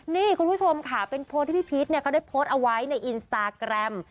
นี่คุณผู้ชมค่ะเป็นโพสต์ที่พี่พีชเนี่ยเขาได้โพสต์เอาไว้ในอินสตาแกรม